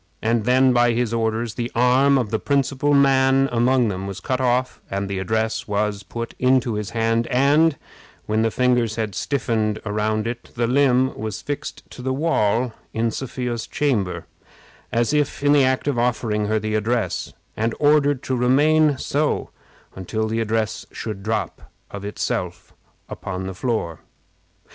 And then, by his orders, the arm of the principal man among them was cut off, the address was put into his hand, and, when the fingers had stiffened around it, the limb was fixed to the wall in Sophia's chamber, as if in the act of offering her the address, and ordered to remain so until the address should drop, of itself, upon the floor.